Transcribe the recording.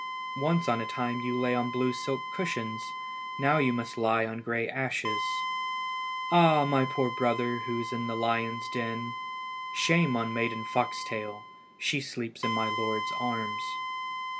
once on a time you lay on blue silk cushions. Now you must lie on grey ashes. Ah! my poor brother, who is in the lions' den. Shame on Maiden Foxtail! she sleeps in my lord's arms."